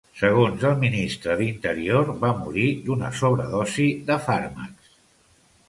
Segons el Ministre d'Interior, va morir d'una sobredosi de fàrmacs.